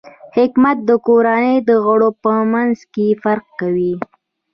حکمت د کورنۍ د غړو په منځ کې فرق کوي.